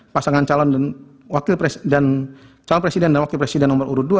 pasangan calon presiden dan wakil presiden nomor urut dua